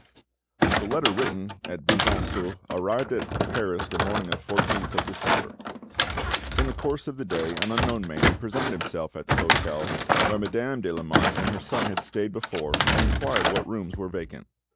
The letter written at Buisson Souef arrived at Paris the morning of the 14th of December. In the course of the day an unknown man presented himself at the hotel where Madame de Lamotte and her son had stayed before, and inquired what rooms were vacant.